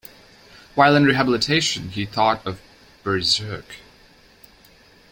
While in rehabilitation, he thought of "Berzerk".